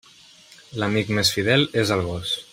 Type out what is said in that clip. L'amic més fidel és el gos.